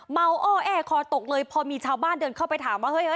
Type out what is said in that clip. อ้อแอคอตกเลยพอมีชาวบ้านเดินเข้าไปถามว่าเฮ้ย